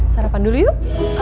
sarapan dulu yuk